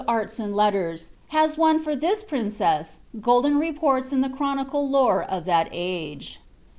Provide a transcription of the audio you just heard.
41 letters, has won for this princess golden reports in the chronicle lore of that age.